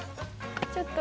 ちょっと。